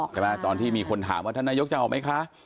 ตอนที่มีคนถามว่าท่านนายกจะออกไหมคะ